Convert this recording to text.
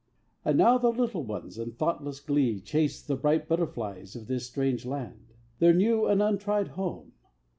And now the little ones in thoughtless glee Chase the bright butterflies of this strange land, Their new and untried home.